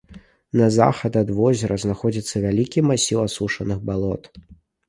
На захад ад возера знаходзіцца вялікі масіў асушаных балот.